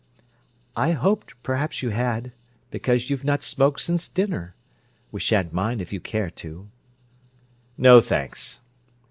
"I hoped perhaps you had, because you've not smoked since dinner. We shan't mind if you care to." "No, thanks."